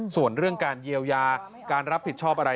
ส่วนเรื่องการเยียวยาการรับผิดชอบอะไร